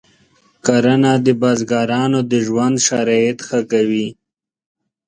کرنه د بزګرانو د ژوند شرایط ښه کوي.